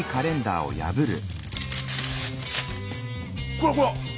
こらこら！